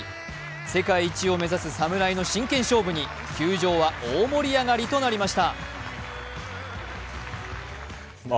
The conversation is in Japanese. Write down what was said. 世界一を目指す侍の真剣勝負に球場は大盛り上がりとなりました。